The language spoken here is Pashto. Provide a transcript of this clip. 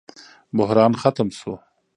بحران ختم شو.